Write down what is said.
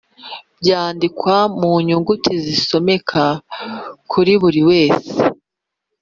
byandikwa mu nyuguti zisomeka kuri buri wese